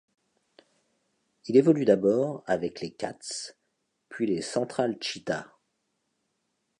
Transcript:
Il évolue d'abord avec les Cats puis les Central Cheetahs.